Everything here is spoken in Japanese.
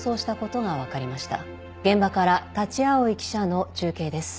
現場から立葵記者の中継です。